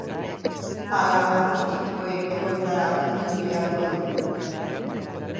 Ala adin txikikoen egoitzara itzuli beharko du?